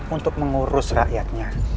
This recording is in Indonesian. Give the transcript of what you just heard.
untuk mengurus rakyatnya